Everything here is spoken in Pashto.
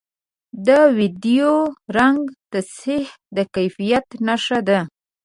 د ویډیو رنګ تصحیح د کیفیت نښه ده